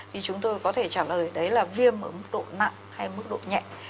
thì chúng tôi có thể trả lời đấy là viêm ở mức độ nặng hay mức độ nhẹ